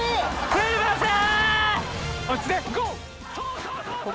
すみません！